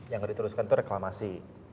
yang harus diteruskan itu reklamasi